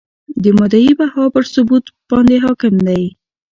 د مدعی بها پر ثبوت باندي حکم دی ؟